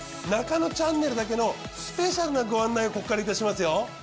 『ナカノチャンネル』だけのスペシャルなご案内をここからいたしますよ。